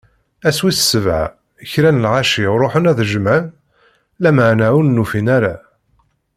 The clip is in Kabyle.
Ass wis sebɛa, kra n lɣaci ṛuḥen ad d-jemɛen, lameɛna ur n-ufin ara.